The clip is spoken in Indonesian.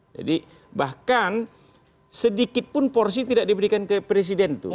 jadi bahkan sedikitpun porsi tidak diberikan ke presiden itu